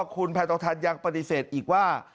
คุณแผ่นต่อทันยังปฏิเสธอีกว่า